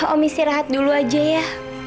om istirahat dulu aja ya